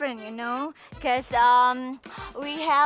tapi ini beda kamu tau